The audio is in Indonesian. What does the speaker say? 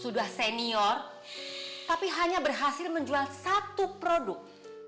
sudah senior tapi hanya berhasil menjual satu produk